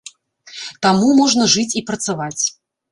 Таму можна жыць і працаваць.